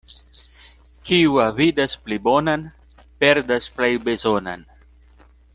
Kiu avidas pli bonan, perdas plej bezonan.